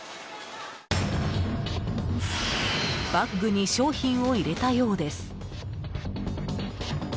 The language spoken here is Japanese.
バッグに商品を入れたようです。